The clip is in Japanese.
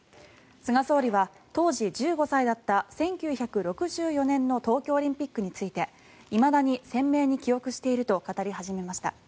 菅総理は当時１５歳だった１９６４年の東京オリンピックについていまだに鮮明に記憶していると語り始めました。